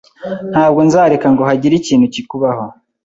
Ntabwo nzareka ngo hagire ikintu kikubaho.